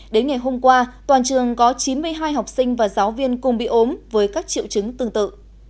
đến ngày hôm qua toàn trường có chín mươi hai học sinh và giáo viên cùng bị ốm với các triệu chứng tương tự